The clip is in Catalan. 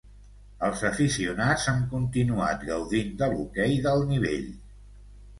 Els aficionats han continuat gaudint de l'hoquei d'alt nivell.